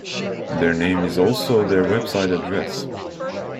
Their name is also their website address.